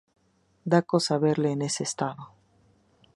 Da cosa verle en ese estado